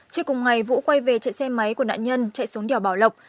trước cùng ngày vũ quay về chạy xe máy của nạn nhân chạy xuống đèo bảo lộc